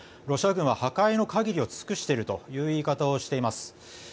ロシア軍は破壊の限りを尽くしているという言い方をしています。